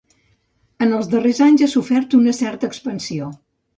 En els darrers anys ha sofert una certa expansió.